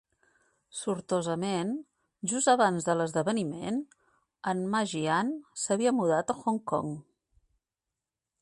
Sortosament, just abans de l'esdeveniment, en Ma Jian s'havia mudat a Hong Kong.